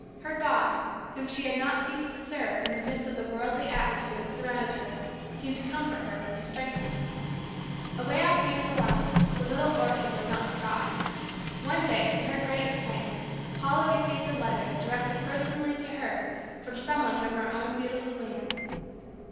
Her God, whom she had not ceased to serve in the midst of the worldly atmosphere that surrounded her, seemed to come to comfort and strengthen her. Away off here in Villar, the little orphan was not forgotten. One day, to her great excitement, Paula received a letter, directed personally to her, from someone from her own beloved land.